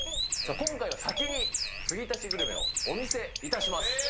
今回は先に継ぎ足しグルメをお見せいたします。